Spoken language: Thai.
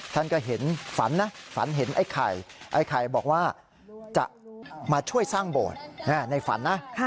ท่านก็เห็นฝันนะฝันเห็นไอ้ไข่ไอ้ไข่บอกว่าจะมาช่วยสร้างโบสถ์ในฝันนะ